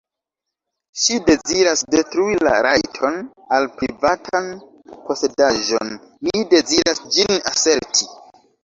Ŝi deziras detrui la rajton al privatan posedaĵon, mi deziras ĝin aserti.